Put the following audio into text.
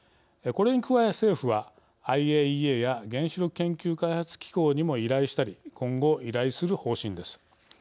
これに加え政府はＩＡＥＡや原子力研究開発機構にも依頼したり今後、依頼する方針です。